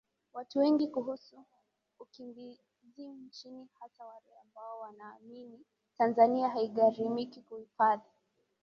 watu wengi kuhusu ukimbizi nchini hasa wale ambao wanaamini Tanzania haigharamiki kuhifadhi